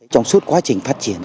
trong suốt quá trình phát triển